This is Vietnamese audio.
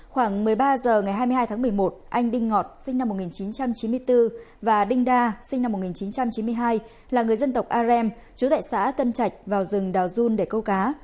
khoảng một mươi ba h ngày hai mươi hai tháng một mươi một anh đinh ngọt sinh năm một nghìn chín trăm chín mươi bốn và đinh đa sinh năm một nghìn chín trăm chín mươi hai là người dân tộc arem chú tại xã tân trạch vào rừng đào dun để câu cá